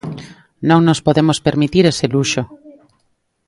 Non nos podemos permitir ese luxo.